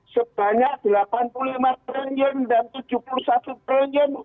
sebanyak rp delapan puluh lima triliun dan rp tujuh puluh satu triliun